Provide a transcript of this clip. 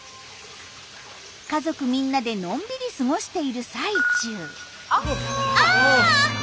家族みんなでのんびり過ごしている最中あっ！